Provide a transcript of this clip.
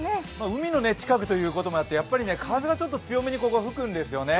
海の近くということもあって、風が強めにここは吹くんですよね。